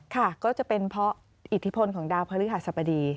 ค่ะก็จะเป็นเพราะอิทธิพลของดาวพระฤหัสบดี